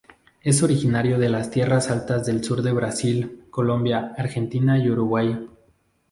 Es originario de las tierras altas del sur de Brasil, Colombia, Argentina y Uruguay.